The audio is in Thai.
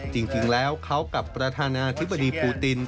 จริงแล้วเขากับประธานาธิบดีปูติน